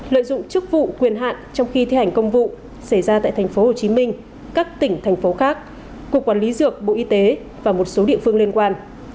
lợi dụng chức vụ quyền hạn trong khi thi hành công vụ xảy ra tại tp hcm các tỉnh thành phố khác cục quản lý dược bộ y tế và một số địa phương liên quan